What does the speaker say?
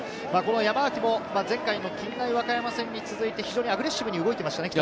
山脇も前回の近大和歌山戦に続いて非常にアグレッシブに動いていましたね。